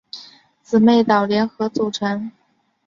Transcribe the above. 姊妹岛联合组成。